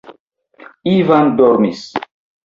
Ivan dormis.